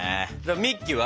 ミッキーは？